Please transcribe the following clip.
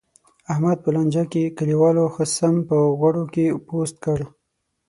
احمد په لانجه کې، کلیوالو ښه سم په غوړو کې پوست کړ.